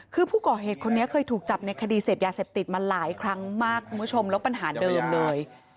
คือผู้ก่อเหตุคนนี้เคยถูกจับในคดีเสพยาเสพติดมาหลายครั้งมากคุณผู้ชมแล้วปัญหาเดิมเลย